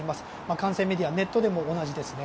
官製メディアネットでも同じですね。